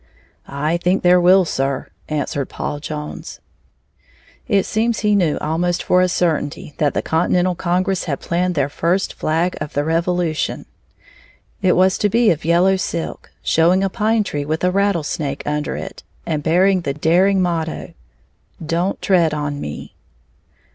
"I think there will, Sir," answered Paul Jones. It seems he knew almost for a certainty that the Continental Congress had planned their first flag of the Revolution. It was to be of yellow silk, showing a pine tree with a rattlesnake under it, and bearing the daring motto: "Don't tread on me."